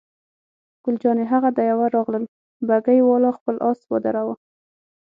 ګل جانې: هغه د یوه راغلل، بګۍ والا خپل آس ودراوه.